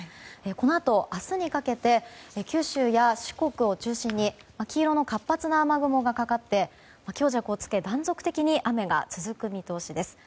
このあと明日にかけて九州や四国を中心に黄色の活発な雨雲がかかって強弱をつけ断続的に雨が続く見通しです。